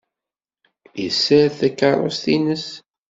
Yessared takeṛṛust-nnes.